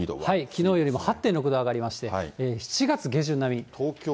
きのうよりも８６度上がりまして、７月下旬並み。